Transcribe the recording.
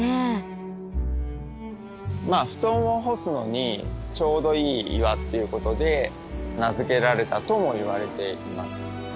まあ布団を干すのにちょうどいい岩っていうことで名付けられたともいわれています。